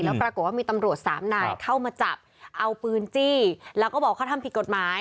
แล้วปรากฏว่ามีตำรวจสามนายเข้ามาจับเอาปืนจี้แล้วก็บอกเขาทำผิดกฎหมาย